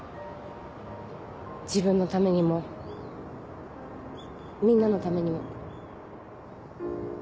自分のためにもみんなのためにも。